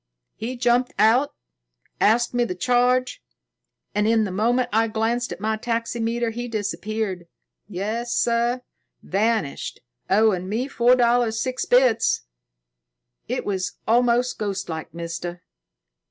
He jumped out, asked me the charge, and, in the moment I glanced at my taxi meter, he disappeared. Yes, sir. Vanished, owing me four dollars, six bits. It was almost ghostlike, mister."